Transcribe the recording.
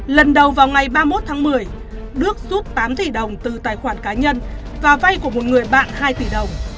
lần đầu vào ngày ba mươi một tháng một mươi đước rút tám tỷ đồng từ tài khoản cá nhân và vay của một người bạn hai tỷ đồng